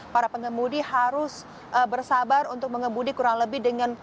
para pengemudi harus bersabar untuk mengembudi kurang lebih dengan